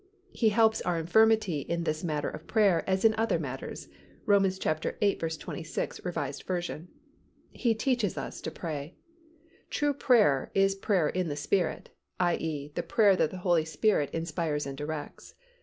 He helps our infirmity in this matter of prayer as in other matters (Rom. viii. 26, R. V.). He teaches us to pray. True prayer is prayer in the Spirit (i. e., the prayer that the Holy Spirit inspires and directs).